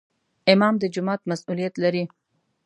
امام د جومات مسؤولیت لري